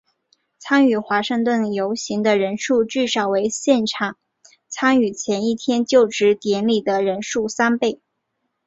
参与华盛顿游行的人数至少为现场参与前一天就职典礼的人数三倍。